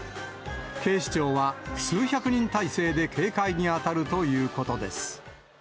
警視庁は数百人態勢で警戒に当たるということです。